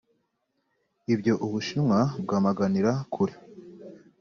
ibyo u Bushinwa bwamaganira kure